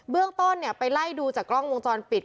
เรื่องต้นไปไล่ดูจากกล้องวงจรปิด